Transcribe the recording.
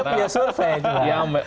karena dia punya survei juga